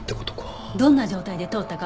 どんな状態で通ったかはわかる？